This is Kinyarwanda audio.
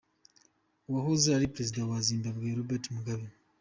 Uwahoze ari Perezida wa Zimbabwe, Robert Mugabe.